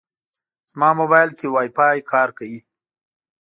زما موبایل کې وايفای کار کوي.